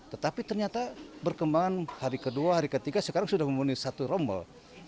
tetapi ternyata berkembang hari kedua hari ketiga sekarang sudah memenuhi satu rombol